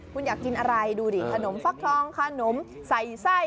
คุณอยากกินอะไรดูดิขนมฟักทองขนมใส่ไส้